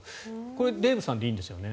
これはデーブさんでいいんですよね？